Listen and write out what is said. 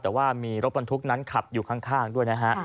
แต่ว่ามีรถบรรทุกนั้นขับอยู่ข้างด้วยนะฮะ